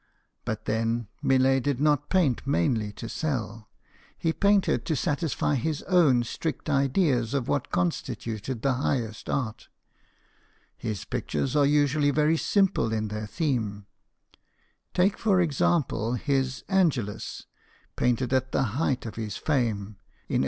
But then, Millet did not paint mainly to sell ; he painted to satisfy his own strict ideas of what constituted the highest art. His pic tures are usually very simple in their theme ; take, for example, his " Angelus," painted at the height of his fame, in 1867.